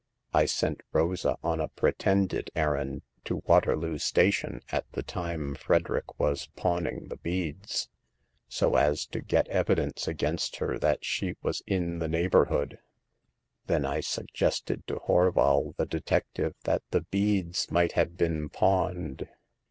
I sent Rosa on a pretended errand to Waterloo Station, at the time Frederick was pawning the beads, so as to get evidence against her that she was in the neighborhood. Then I suggested to Horval the detective, that the beads might have been pawned.